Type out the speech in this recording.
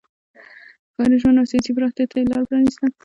ښاري ژوند او سیاسي پراختیا ته یې لار پرانیسته.